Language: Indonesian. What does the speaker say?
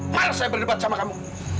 mari saya berdebat sama kamu